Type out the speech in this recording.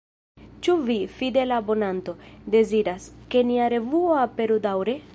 Ĉu vi, fidela abonanto, deziras, ke nia revuo aperu daŭre?